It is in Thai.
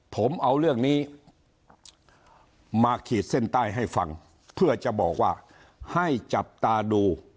ผมเอาเรื่องนี้มาขีดเส้นใต้ให้ฟังเพื่อจะบอกว่าให้จับตาดู